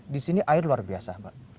di sini air luar biasa